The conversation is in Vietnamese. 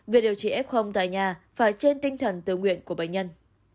việc điều trị f tại nhà phải trên tinh thần tự nguyện của bệnh nhân